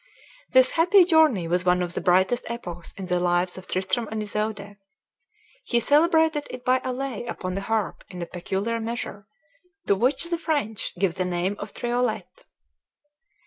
This happy journey was one of the brightest epochs in the lives of Tristram and Isoude. He celebrated it by a lay upon the harp in a peculiar measure, to which the French give the name of Triolet.